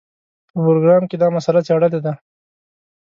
په پروګرام کې دا مسله څېړلې ده.